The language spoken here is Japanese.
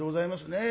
ねえ！